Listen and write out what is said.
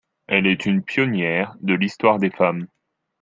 Elle est une pionnière de l’histoire des femmes.